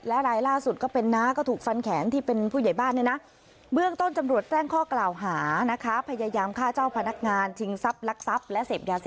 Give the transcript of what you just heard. และรายล่าสุดเป็นนะ